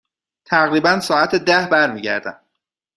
تقریبا ساعت ده برمی گردم.